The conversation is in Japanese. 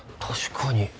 確かに。